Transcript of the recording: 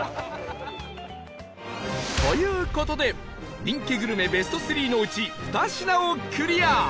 という事で人気グルメベスト３のうち２品をクリア